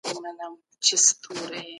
ټول علمي بحثونه د فلسفې برخه وه.